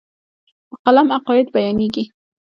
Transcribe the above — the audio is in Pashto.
په قلم عقاید بیانېږي.